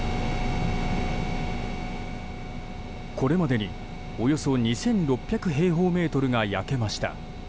これまでにおよそ２６００平方メートルが焼けました。